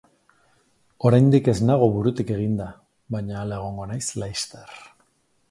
Oraindik ez nago burutik eginda... baina hala egongo naiz laster.